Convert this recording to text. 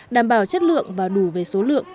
đảm bảo chất lượng và đủ về số lượng